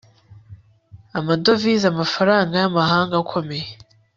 amadovize amafaranga y'amahanga akomeye